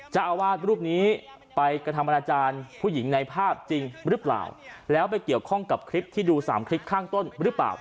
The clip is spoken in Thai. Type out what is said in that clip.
เจ้าอาวาสรูปนี้ไปกระทำอนาจารย์ผู้หญิงในภาพจริงหรือเปล่าแล้วไปเกี่ยวข้องกับคลิปที่ดูสามคลิปข้างต้นหรือเปล่า